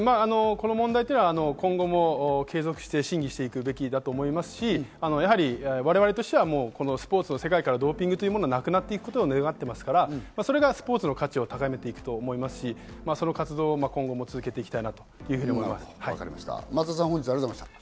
この問題は今後も継続して審議していくべきだと思いますし、やはり我々としてはスポーツの世界からドーピングというものがなくなっていくことを願っていますから、それがスポーツの価値を高めると思いますし、その活動を今後も続けていきたいと思います。